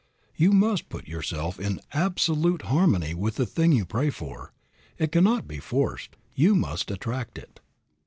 You must put yourself in absolute harmony with the thing you pray for. It cannot be forced. You must attract it.